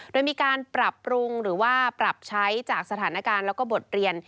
โดยมีการปรับปรุงหรือว่าปรับใช้จากสถานการณ์แล้วก็บทเรียน